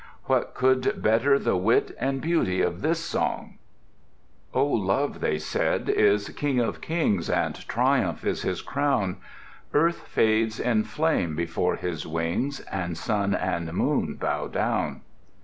What could better the wit and beauty of this song: "Oh! Love," they said, "is King of Kings, And Triumph is his crown. Earth fades in flame before his wings, And Sun and Moon bow down."